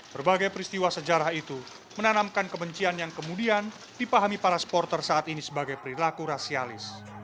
berbagai peristiwa sejarah itu menanamkan kebencian yang kemudian dipahami para supporter saat ini sebagai perilaku rasialis